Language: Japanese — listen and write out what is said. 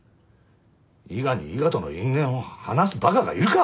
伊賀に伊賀との因縁を話すバカがいるか！